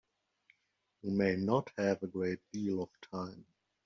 You may not have a great deal of time.